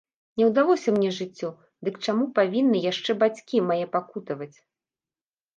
Не ўдалося мне жыццё, дык чаму павінны яшчэ бацькі мае пакутаваць?